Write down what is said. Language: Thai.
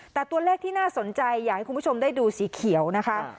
แต่ตัวเลขที่น่าสนใจอยากให้คุณผู้ชมได้ดูสีเขียวนะคะ